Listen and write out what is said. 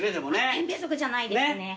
扁平足じゃないですね。